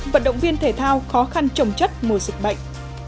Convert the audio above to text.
vận động viên thể thao khó khăn trồng chất mùa dịch bệnh